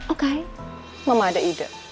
oke mama ada ide